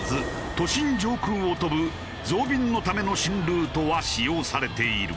都心上空を飛ぶ増便のための新ルートは使用されている。